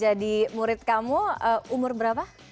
murid kamu umur berapa